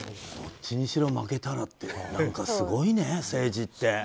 どっちにしろ負けたらってすごいね、政治って。